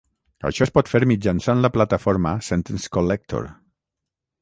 Això es pot fer mitjançant la plataforma Sentence Collector.